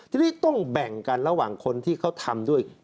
ทีนี้ต้องแบ่งกันระหว่างคนที่เขาทำด้วย